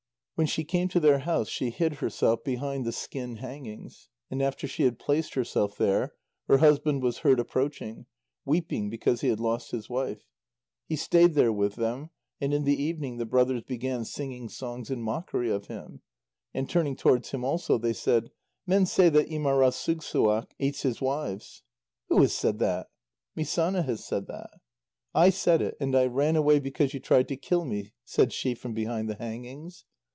When she came to their house, she hid herself behind the skin hangings, and after she had placed herself there, her husband was heard approaching, weeping because he had lost his wife. He stayed there with them, and in the evening, the brothers began singing songs in mockery of him, and turning towards him also, they said: "Men say that Ímarasugssuaq eats his wives." "Who has said that?" "Misána has said that." "I said it, and I ran away because you tried to kill me," said she from behind the hangings.